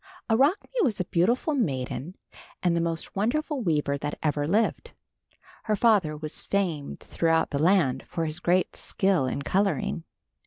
Arachne was a beautiful maiden and the most wonderful weaver that ever lived. Her father was famed throughout the land for his great skill in coloring.